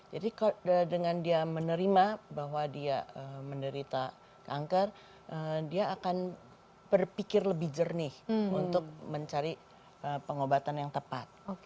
jadi dengan dia menerima bahwa dia menderita kanker dia akan berpikir lebih jernih untuk mencari pengobatan yang tepat